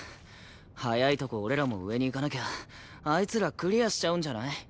早いとこ俺らも上に行かなきゃあいつらクリアしちゃうんじゃない？